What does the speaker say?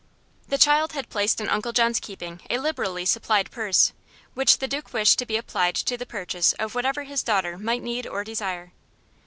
The child had placed in Uncle John's keeping a liberally supplied purse, which the Duke wished to be applied to the purchase of whatever his daughter might need or desire.